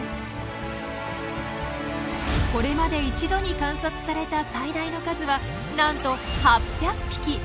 これまで一度に観察された最大の数はなんと８００匹！